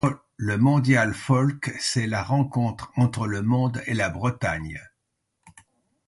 Le Mondial’Folk, c’est la rencontre entre le monde et la Bretagne.